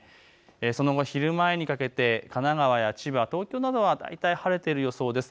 その後、昼前にかけて神奈川や千葉、東京などは大体、晴れている予想です。